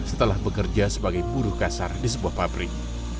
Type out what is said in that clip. setelah bekerja sebagai buruh kasar di sebuah pabrik